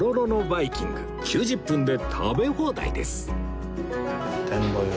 ９０分で食べ放題です